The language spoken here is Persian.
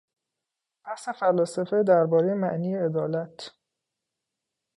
بحث فلاسفه دربارهی معنی عدالت